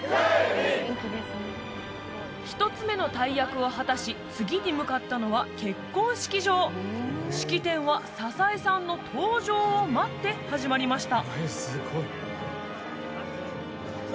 １つ目の大役を果たし次に向かったのは結婚式場式典は佐々井さんの登場を待って始まりました